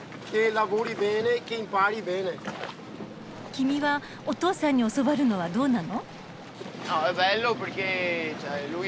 君はお父さんに教わるのはどうなの？